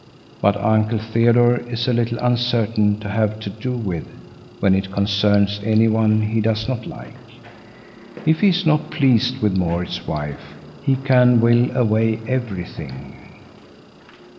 But Uncle Theodore is a little uncertain to have to do with when it concerns any one he does not like. If he is not pleased with Maurits's wife, he can will away everything.